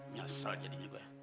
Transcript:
nyesel jadinya gue